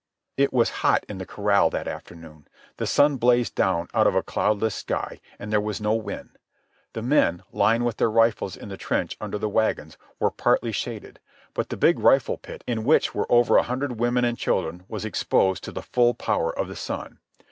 It was hot in the corral that afternoon. The sun blazed down out of a cloudless sky, and there was no wind. The men, lying with their rifles in the trench under the wagons, were partly shaded; but the big rifle pit, in which were over a hundred women and children, was exposed to the full power of the sun.